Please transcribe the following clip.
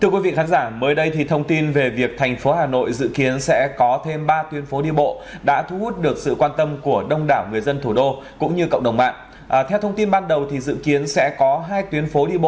các bạn hãy đăng ký kênh để ủng hộ kênh của chúng mình nhé